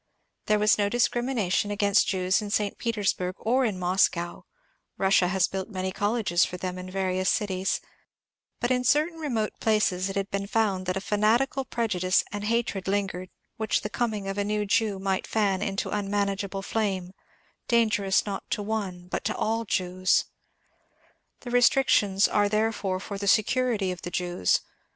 There was no discrimination against Jews in St. Petersburg or in Moscow (Russia has built many colleges for them in various cities}, but in cer tain remote places it had been found that a &natical preju dice and hatred lingered which the coming of a new Jew might fan into an unmanageable flame, dangerous not to one but to all Jews. The restrictions are therefore for the security of Jews.